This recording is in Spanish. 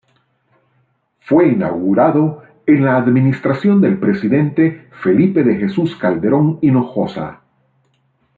Fue inaugurado en la administración del presidente Felipe de Jesús Calderón Hinojosa.